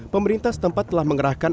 pemerintah setempat telah mengerahkan